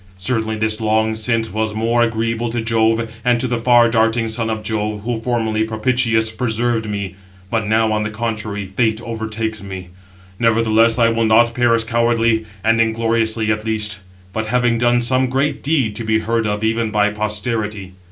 Certainly this long since was more agreeable to Jove and to the far darting son of Jove, who formerly, propitious, preserved me; but now, on the contrary, Fate overtakes me. Nevertheless I will not perish cowardly and ingloriously at least, but having done some great deed to be heard of even by posterity."